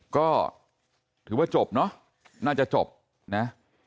ก็ถือว่าจบเนอะน่าจะจบนะ